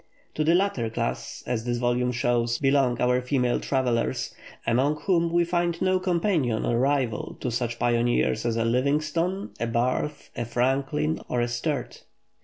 To the latter class, as this volume shows, belong our female travellers, among whom we find no companion or rival to such pioneers as a Livingstone, a Barth, a Franklin, or a Sturt.